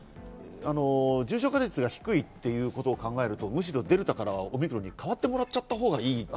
重症化率が低いということを考えると、むしろデルタからオミクロンに変わってもらっちゃったほうがいい。